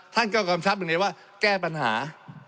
ท่านก็กำชับอยู่ในว่าแก้ปัญหา